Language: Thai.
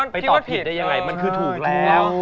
ตอบผิดได้ยังไงมันคือถูกแล้ว